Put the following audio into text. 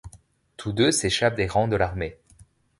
Tous deux s'échappent des rangs de l'armée.